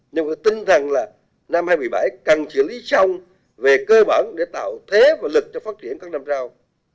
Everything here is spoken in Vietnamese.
nhưng tôi tin rằng là năm hai nghìn một mươi bảy cần xử lý xong về cơ bản để tạo thế và lực cho phát triển các năm sau